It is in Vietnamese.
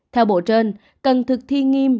theo bộ trên cần thực thi nghiêm